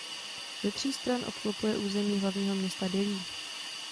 Ze tří stran obklopuje území hlavního města Dillí.